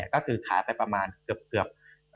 ก็คือขายไปประมาณเกือบ